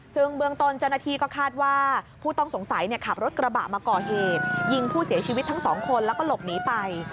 ซึ่งเบื้องต้นเจ้าหน้าที่ก็คาดว่าผู้ต้องสงสัยขับรถกระบะมาก่อเหตุยิงผู้เสียชีวิตทั้งสองคนแล้วก็หลบหนีไป